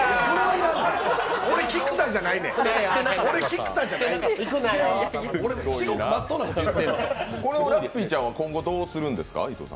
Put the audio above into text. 今後、ラッピーちゃんはどうするんですか？